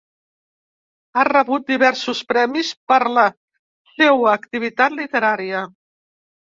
Ha rebut diversos premis per la seua activitat literària.